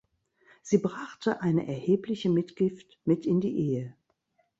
Sie brachte eine erhebliche Mitgift mit in die Ehe.